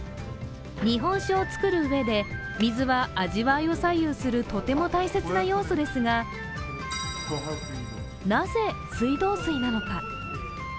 日本酒を造るうえで水は味わいを左右するとても大切な要素ですが、なぜ水道水なのか。